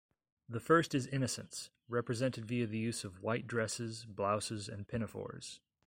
The first is innocence; represented via the use of white dresses, blouses and pinafores.